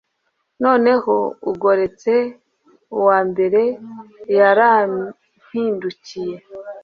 noneho ugororotse uwambere yarampindukiye